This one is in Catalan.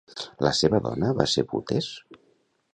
La seva dona va ser Butes?